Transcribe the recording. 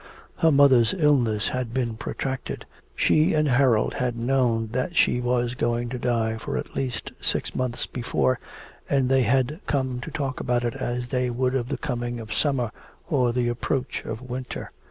Her mother's illness had been protracted, she and Harold had known that she was going to die for at least six months before, and they had come to talk about it as they would of the coming of summer or the approach of winter.